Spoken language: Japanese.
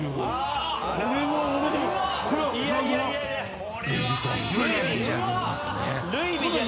これは俺でも。